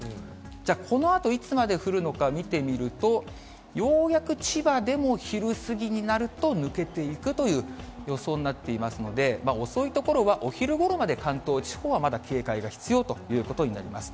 じゃあこのあといつまで降るのか見てみると、ようやく千葉でも、昼過ぎになると抜けていくという予想になっていますので、遅い所はお昼ごろまで関東地方はまだ警戒が必要ということになります。